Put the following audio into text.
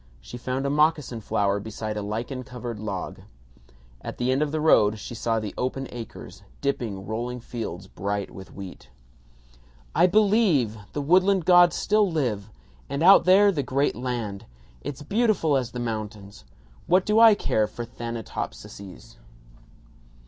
She found a moccasin flower beside a lichen covered log. At the end of the road she saw the open acres dipping rolling fields bright with wheat. "I believe! The woodland gods still live! And out there, the great land. It's beautiful as the mountains. What do I care for Thanatopsises?"